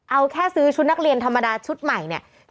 เอาแค่ซื้อชุดนักเรียนธรรมดาชุดใหม่เนี่ย